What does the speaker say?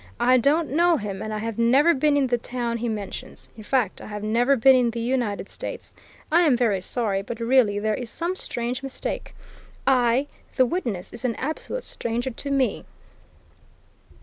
I don't know him, and I have never been in the town he mentions in fact, I have never been in the United States. I am very sorry, but, really, there is some strange mistake I the witness is an absolute stranger to me!"